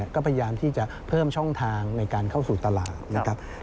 ก็พยายามที่จะเพิ่มช่องทางในการเข้าสู่ตลาดนะครับ